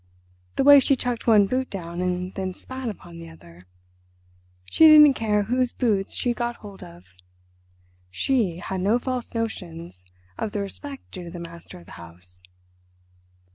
The way she chucked one boot down and then spat upon the other! She didn't care whose boots she'd got hold of. She had no false notions of the respect due to the master of the house."